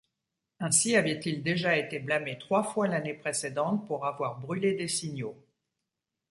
Ainsi avait-il déjà été blâmé trois fois l'année précédente pour avoir brûlé des signaux.